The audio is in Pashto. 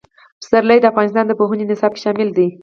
پسرلی د افغانستان د پوهنې نصاب کې شامل دي.